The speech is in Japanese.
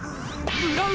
ブラウン！